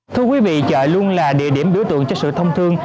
thưa quý vị chợ luôn là địa điểm biểu tượng cho sự thông thương